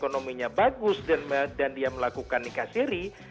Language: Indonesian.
ekonominya bagus dan dia melakukan nikah seri